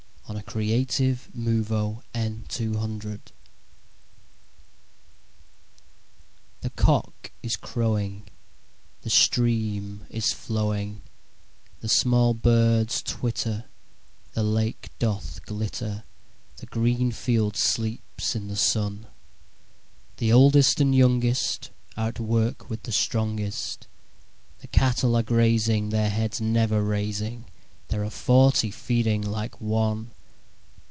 William Wordsworth Written in March THE cock is crowing, The stream is flowing, The small birds twitter, The lake doth glitter The green field sleeps in the sun; The oldest and youngest Are at work with the strongest; The cattle are grazing, Their heads never raising; There are forty feeding like one!